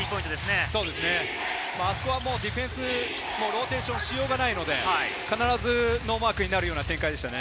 あそこは、ディフェンス、ローテーションしようがないので、必ずノーマークになるような展開でしたね。